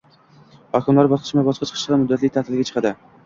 Hokimlari bosqichma-bosqich qisqa muddatli taʼtilga chiqadi.